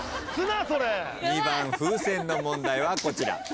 ２番風船の問題はこちら。